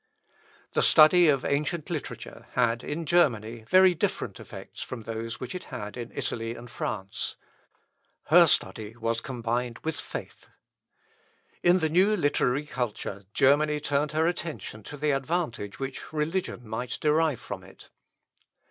The study of ancient literature had, in Germany, very different effects from those which it had in Italy and France. Her study was combined with faith. In the new literary culture, Germany turned her attention to the advantage which religion might derive from it.